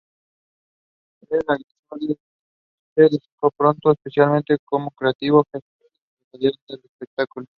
Al regreso se destacó pronto, especialmente como creativo, gestor y empresario del espectáculo.